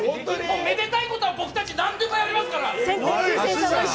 めでたいことは僕たちなんでもやりますから。